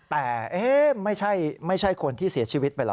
แต่ไม่ใช่คนที่เสียชีวิตไปเหรอ